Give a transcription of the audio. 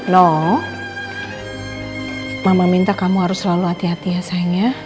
noh mama minta kamu harus selalu hati hati ya sayang ya